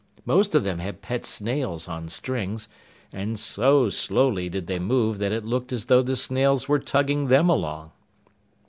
Most of them had pet snails on strings, and so slowly did they move that it looked as though the snails were tugging them along.